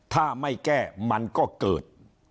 ถ้าไม่แก้มันก็เกิด